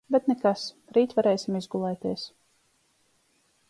Bet nekas, rīt varēsim izgulēties.